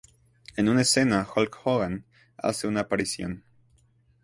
En una escena, Hulk Hogan hace una aparición.